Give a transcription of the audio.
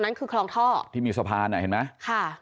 นั่นคือคลองท่อที่มีสะพานอ่ะเห็นไหมค่ะ